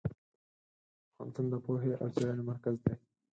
پوهنتون د پوهې او څېړنې مرکز دی.